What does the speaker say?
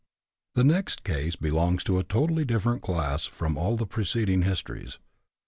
The next case belongs to a totally different class from all the preceding histories.